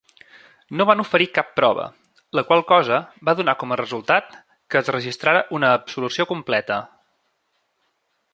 No van oferir cap prova, la qual cosa va donar com a resultat que es registrara una absolució completa.